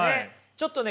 ちょっとね